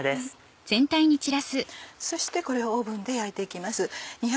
そしてこれをオーブンで焼いて行きます。